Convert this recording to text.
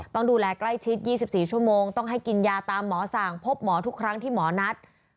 ต้องดูแลใกล้ชิด๒๔ชั่วโมงต้องให้กินยาตามหมอสั่งพบหมอทุกครั้งที่หมอนัด